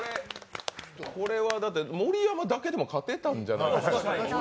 これはだって盛山だけでも勝てたんじゃない？